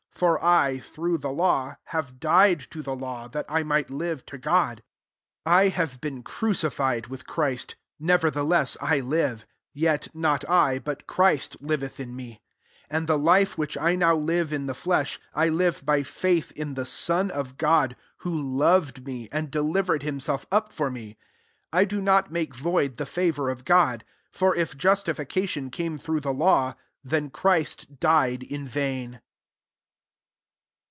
19 For I, through the law,j have died to the law, that I might live to God. 20 I have been crucified with Christ : ne vertheless I live ; yet not I, but Christ liveth in me : and the life which I now live in the flesh, I live by faith in the Son of God, who loved me, and de livered himself up for me. 21 1 do not make void the favour of God : for if justification come through the law, then Christ died in vain."